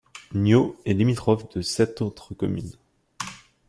Niaux est limitrophe de sept autres communes.